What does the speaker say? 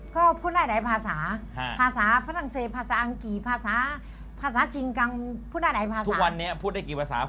ก็พูดได้หลายภาษา